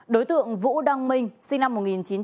đối tượng vũ đăng minh sinh năm một nghìn chín trăm ba mươi sáu